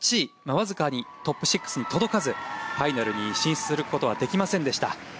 わずかにトップ６に届かずファイナルに進出することはできませんでした。